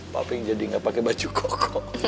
papi jadi nggak pake baju kok